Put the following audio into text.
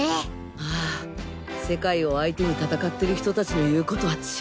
ああ世界を相手に戦ってる人達の言う事は違う。